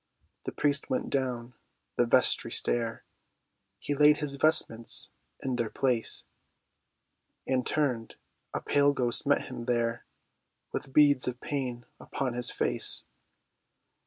The priest went down the vestry stair, He laid his vestments in their place, And turned—a pale ghost met him there, With beads of pain upon his face.